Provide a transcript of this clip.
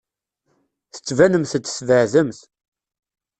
Tettbanemt-d tbeɛdemt.